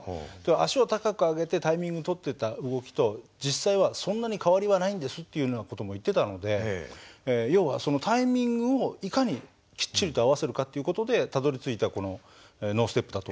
足を高く上げてタイミングとってた動きと実際はそんなに変わりはないんですっていうような事も言ってたので要はそのタイミングをいかにきっちりと合わせるかって事でたどりついたこのノンステップだと思うんですよ。